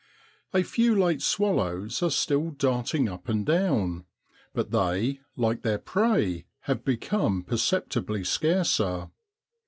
A few late swallows are still darting up and down; but they, like their prey, have become perceptibly scarcer.